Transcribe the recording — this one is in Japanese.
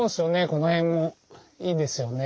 この辺もいいですよね。